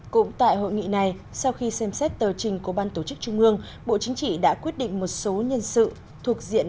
cũng tại hội nghị này sau khi xem xét tờ trình của ban tổ chức trung ương bộ chính trị đã quyết định một số nhân sự thuộc diện